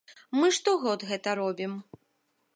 Мы штогод гэта робім.